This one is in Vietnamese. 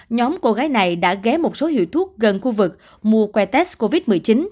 nhóm cô gái này đã ghé một số hiệu thuốc gần khu vực mua que test covid một mươi chín